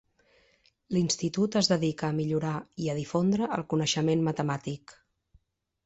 L'institut es dedica a millorar i a difondre el coneixement matemàtic.